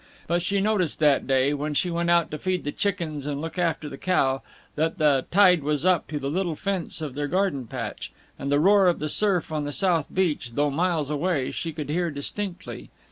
But she noticed that day, when she went out to feed the chickens and look after the cow, that the tide was up to the little fence of their garden patch, and the roar of the surf on the south beach, though miles away, she could hear distinctly.